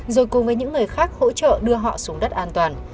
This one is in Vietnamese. rồi cùng với những người khác hỗ trợ đưa họ xuống đất an toàn